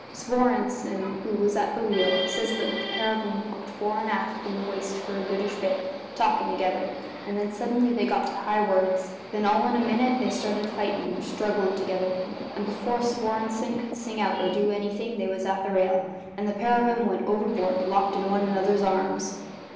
Svorenssen, who was at the wheel, says that the pair of 'em walked fore and aft in the waist for a goodish bit, talkin' together; and then suddenly they got to high words; then, all in a minute, they started fightin' or strugglin' together, and before Svorenssen could sing out or do anything they was at the rail, and the pair of 'em went overboard, locked in one another's arms."